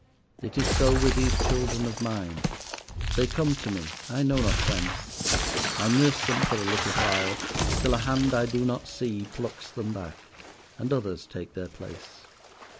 "It is so with these children of mine. They come to me, I know not whence. I nurse them for a little while, till a hand I do not see plucks them back. And others take their place."